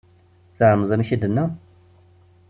Tεelmeḍ amek i d-tenna?